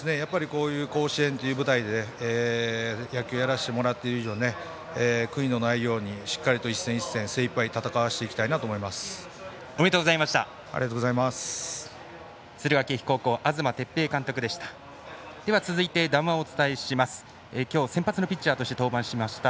こういう甲子園という舞台で野球をやらせてもらっている以上悔いのないようにしっかりと一戦一戦精いっぱい戦わせていきたいとおめでとうございました。